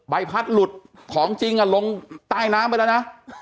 ใบพัดหลุดของจริงลงใต้น้ำไปแล้วนะ